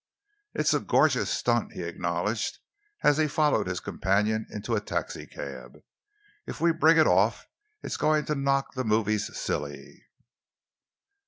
"It's a gorgeous stunt," he acknowledged, as he followed his companion into a taxicab. "If we bring it off, it's going to knock the movies silly."